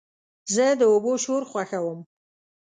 زه د اوبو شور خوښوم.